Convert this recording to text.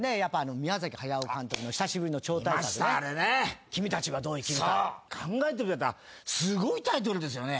宮駿監督の久しぶりの超大作『君たちはどう生きるか』考えてみたらすごいタイトルですよね。